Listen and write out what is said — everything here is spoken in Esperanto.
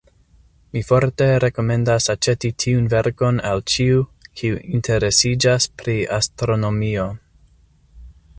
Mi forte rekomendas aĉeti tiun verkon al ĉiu, kiu interesiĝas pri astronomio!